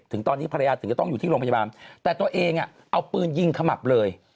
ถึงตอนนี้ภรรยาถึงจะต้องอยู่ที่โรงพยาบาลแต่ตัวเองเอาปืนยิงขมับเลย